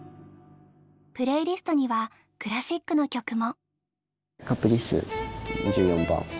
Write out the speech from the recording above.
プレイリストにはクラシックの曲も。